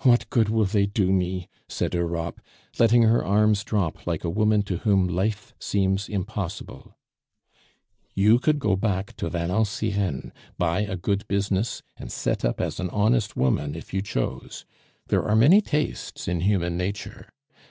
"What good will they do me?" said Europe, letting her arms drop like a woman to whom life seems impossible. "You could go back to Valenciennes, buy a good business, and set up as an honest woman if you chose; there are many tastes in human nature.